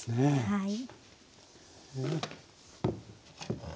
はい。